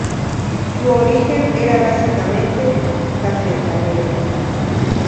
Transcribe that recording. Su origen era básicamente cafetalero.